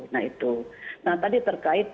nah itu nah tadi terkait